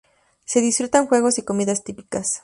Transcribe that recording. Se disfrutan juegos y comidas típicas.